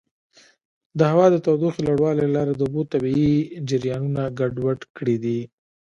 د هوا د تودوخې لوړوالي له لارې د اوبو طبیعي جریانونه ګډوډ کړي دي.